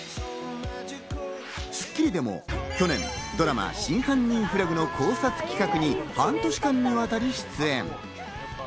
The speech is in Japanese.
『スッキリ』でも去年、ドラマ『真犯人フラグ』の考察企画に半年間にわたり出演。